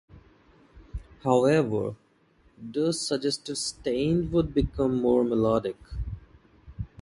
However, Durst suggested Staind would become more melodic.